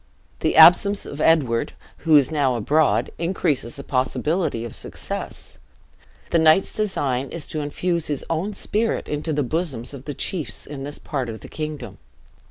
The absence of Edward, who is now abroad, increases the probability of success. The knight's design is to infuse his own spirit into the bosoms of the chiefs in this part of the kingdom.